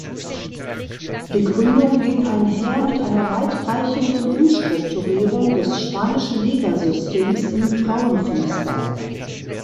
Die Gründung ging einher mit einer weitreichenden Umstrukturierung des spanischen Ligasystems im Frauenfußball.